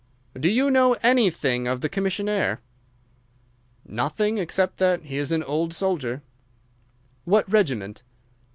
"Do you know anything of the commissionnaire?" "Nothing except that he is an old soldier." "What regiment?"